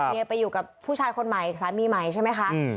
ไปอยู่กับผู้ชายคนใหม่สามีใหม่ใช่ไหมคะ